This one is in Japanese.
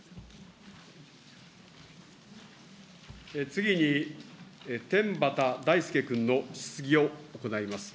次に、天畠大輔君の質疑を行います。